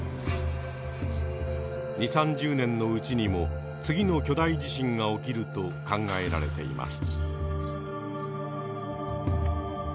２０３０年のうちにも次の巨大地震が起きると考えられています。